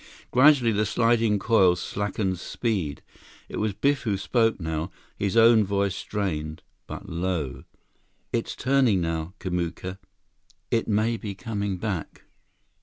Gradually, the sliding coils slackened speed. It was Biff who spoke now, his own voice strained, but low: "It's turning now, Kamuka. It may be coming back."